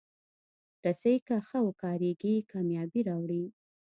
رسۍ که ښه وکارېږي، کامیابي راوړي.